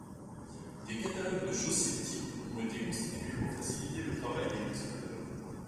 Des catalogues de chaussées types ont été constitués pour faciliter le travail des concepteurs.